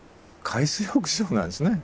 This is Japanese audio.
海水浴場なんですね。